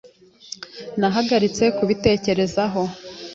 Nahagaritse kubitekerezaho.